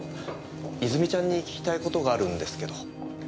泉ちゃんに聞きたい事があるんですけど。